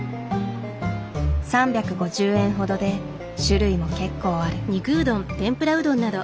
３５０円ほどで種類も結構ある。